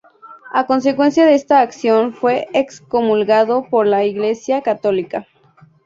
A consecuencia de esta acción fue excomulgado por la Iglesia Católica.